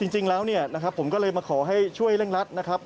จริงแล้วผมก็เลยมาขอให้ช่วยเร่งรัฐนะครับ